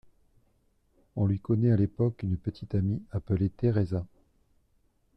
On lui connaît à l’époque une petite amie appelée Theresa.